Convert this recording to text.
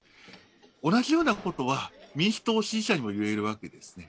同じようなことは民主党支持者にもいえるわけですね。